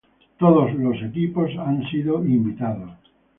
Todos los equipos han sido invitados.